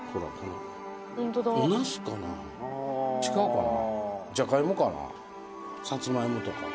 違うかな。